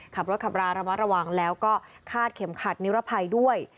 ขับรถขับราระมัดระวังแล้วก็คาดเข็มขัดนิรภัยด้วย